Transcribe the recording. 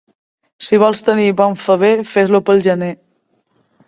Si vols tenir bon faver, fes-lo pel gener.